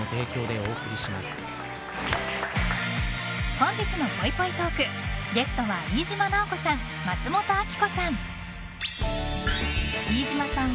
本日のぽいぽいトークゲストは飯島直子さん、松本明子さん。